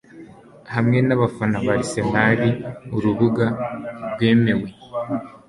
hamwe nabafana Arsenal Urubuga rwemewe